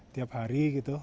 tiap hari gitu